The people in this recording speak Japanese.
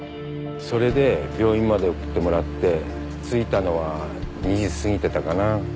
それで病院まで送ってもらって着いたのは２時過ぎてたかな。